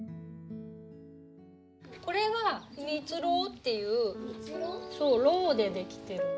これは蜜ろうっていうろうでできてるの。